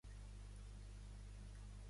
Quines botigues hi ha al carrer dels Pinzón?